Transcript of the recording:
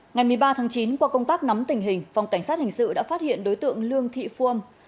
ngày một mươi ba tháng chín qua công tác nắm tình hình phòng cảnh sát hình sự đã phát hiện đối tượng lương thị phu âm